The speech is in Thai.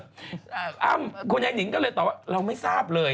คุณยายนิงก็เลยตอบว่าเราไม่ทราบเลย